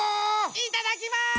いただきます！